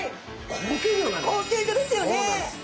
高級魚ですよね！